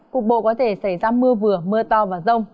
cục bộ có thể xảy ra mưa vừa mưa to và rông